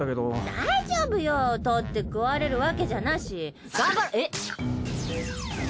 大丈夫よとって食われるわけじゃなし頑張ろえっ？